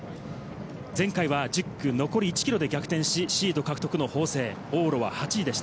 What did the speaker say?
前回は１０区残り１ｋｍで逆転し、シード獲得の法政、往路は８位でした。